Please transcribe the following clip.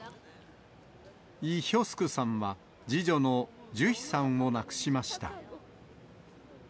イ・ヒョスクさんは、次女のジュヒさんを亡くしました。